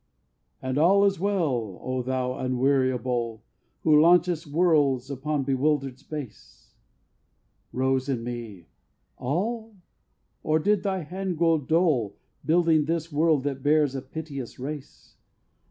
III "And is all well, O Thou Unweariable, Who launchest worlds upon bewildered space," Rose in me, "All? or did thy hand grow dull Building this world that bears a piteous race?